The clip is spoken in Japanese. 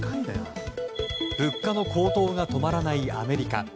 物価の高騰が止まらないアメリカ。